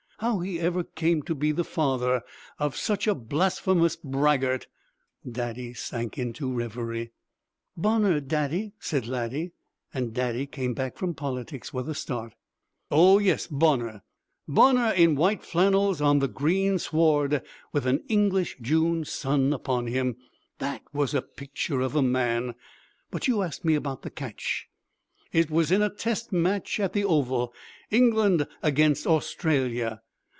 How he ever came to be the father of such a blasphemous braggart" Daddy sank into reverie. "Bonner, Daddy!" said Laddie, and Daddy came back from politics with a start. "Oh, yes, Bonner. Bonner in white flannels on the green sward with an English June sun upon him. That was a picture of a man! But you asked me about the catch. It was in a test match at the Oval England against Australia.